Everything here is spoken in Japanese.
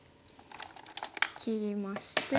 切りまして。